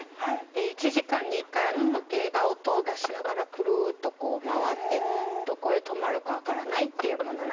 １時間に１回あの時計が音を出しながらくるっとこう回ってどこへ止まるか分からないっていうものなんですけど。